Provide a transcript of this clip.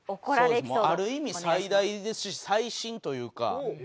ある意味最大ですし最新というか。